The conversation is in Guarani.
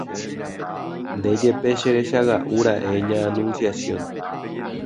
Nde jepe cherechaga'ura'e ña Anunciación